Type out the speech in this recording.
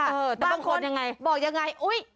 แต่บางคนบอกยังไงอุ๊ย